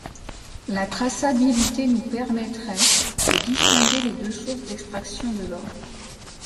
La traçabilité nous permettrait de distinguer les deux sources d’extraction de l’or.